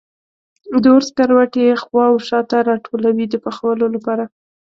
د اور سکروټي یې خوا و شا ته راټولوي د پخولو لپاره.